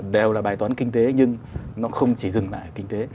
đều là bài toán kinh tế nhưng nó không chỉ dừng lại kinh tế